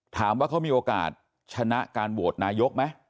ถามว่าเขามีโอกาสชนะการโหวตนายกไหม